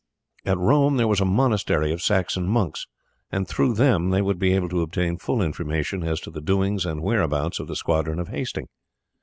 At Rome there was a monastery of Saxon monks, and through them they would be able to obtain full information as to the doings and whereabouts of the squadron of Hasting.